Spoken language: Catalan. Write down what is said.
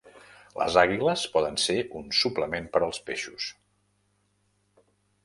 Les àguiles poden ser un suplement per als peixos.